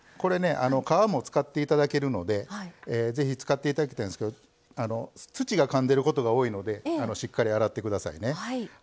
皮も使っていただけるのでぜひ使っていただきたいんですけど土がかんでることが多いのでしっかり洗ってくださいね。